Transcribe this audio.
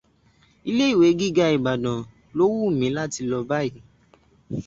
Ilé ìwé gíga Ìbàdàn ló wù mí láti lọ báyìí.